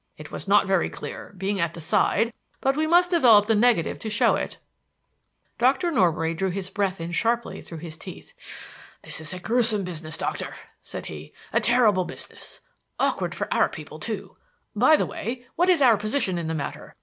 It was not very clear, being at the side, but we must develop the negative to show it." Dr. Norbury drew his breath in sharply through his teeth. "This is a gruesome business, Doctor," said he. "A terrible business. Awkward for our people, too. By the way, what is our position in the matter?